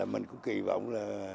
mình cũng kỳ vọng